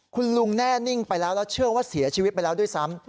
คุณลุงแน่นิ่งไปแล้วแล้วเชื่อว่าเสียชีวิตไปแล้วด้วยซ้ำ